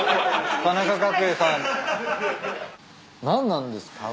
何なんです？